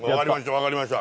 分かりました